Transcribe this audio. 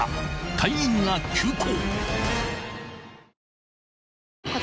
［隊員が急行！］